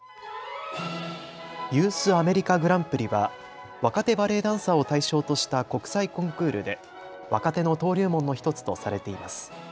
ユース・アメリカ・グランプリは若手バレエダンサーを対象とした国際コンクールで若手の登竜門の１つとされています。